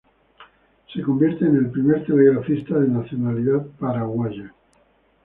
Se convierte en el primer telegrafista de nacionalidad paraguaya.